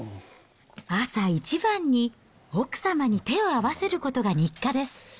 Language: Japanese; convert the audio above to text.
朝一番に奥様に手を合わせることが日課です。